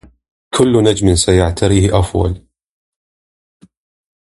كل نجم سيعتريه أفول